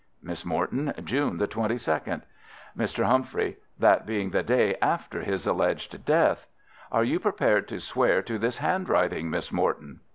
Miss Morton: June the 22nd. Mr. Humphrey: That being the day after his alleged death. Are you prepared to swear to this handwriting, Miss Morton?